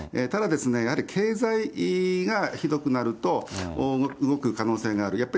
ただ、やはり経済がひどくなると、動く可能性がある。